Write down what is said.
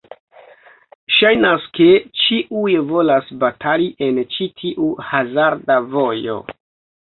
Ŝajnas ke ĉiuj volas batali en ĉi tiu hazarda vojo.